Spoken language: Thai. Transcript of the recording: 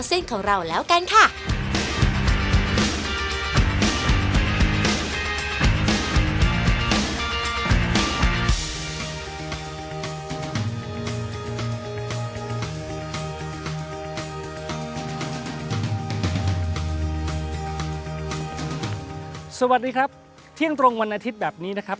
สวัสดีครับเที่ยงตรงวันอาทิตย์แบบนี้นะครับ